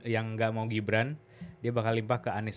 yang nggak mau gibran dia bakal limpah ke anies